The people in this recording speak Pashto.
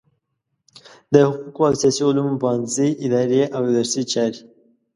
د حقوقو او سیاسي علومو پوهنځی اداري او درسي چارې